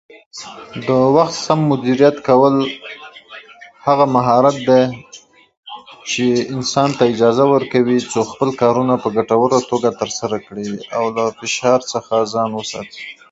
وخت سم مديريت کول هغه مهارت دی چې انسان ته اجازه ورکوي څو خپل کارونه په ګټوره توګه ترسره کړي او له فشار څخه ځان وساتي.